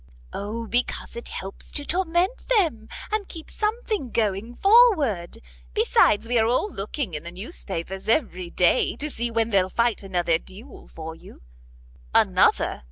"O, because it helps to torment them, and keeps something going forward. Besides, we are all looking in the news papers every day, to see when they'll fight another duel for you." "Another?"